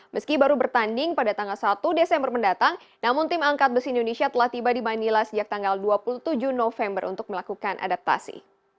meski baru bertanding pada tanggal satu desember mendatang namun tim angkat besi indonesia telah tiba di manila sejak tanggal dua puluh tujuh november untuk melakukan adaptasi